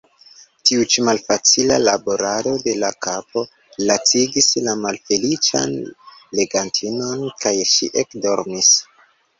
Tiu ĉi malfacila laborado de la kapo lacigis la malfeliĉan legantinon, kaj ŝi ekdormis.